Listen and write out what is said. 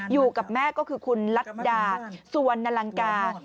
อยู่กับแม่ก็คือคุณลัดดาสุวรรณลังกา